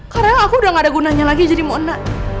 karena aku udah gak ada gunanya lagi jadi mona